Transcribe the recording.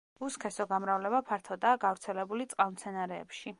უსქესო გამრავლება ფართოდაა გავრცელებული წყალმცენარეებში.